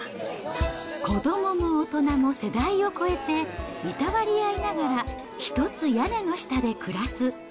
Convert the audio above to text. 子どもも大人も世代を超えていたわり合いながら、一つ屋根の下で暮らす。